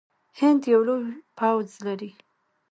هند یو لوی پوځ لري.